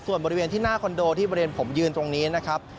ส่วนบริเวณที่หน้าคอนโดที่บริเวณผมยืนตรงนี้นะครับ